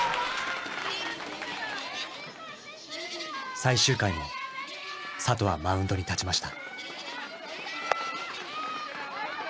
最終回も里はマウンドに立ちました。